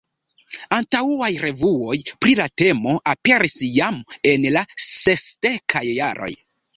Antaŭaj revuoj pri la temo aperis jam en la sesdekaj jaroj.